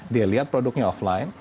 dia lihat produknya offline